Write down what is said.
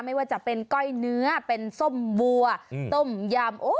ไม่ว่าจะเป็นก้อยเนื้อเป็นส้มวัวต้มยำ